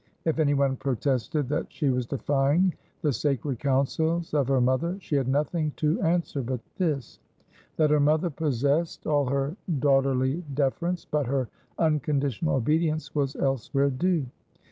If any one protested that she was defying the sacred counsels of her mother, she had nothing to answer but this: that her mother possessed all her daughterly deference, but her unconditional obedience was elsewhere due.